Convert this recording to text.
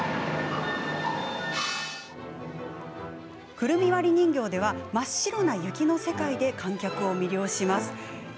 「くるみ割り人形」では真っ白な雪の世界で観客を魅了します。